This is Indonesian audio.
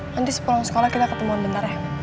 nanti sepulang sekolah kita ketemuan bentar ya